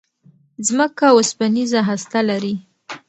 ځمکه اوسپنيزه هسته لري.